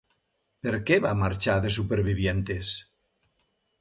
Per què va marxar de Supervivientes?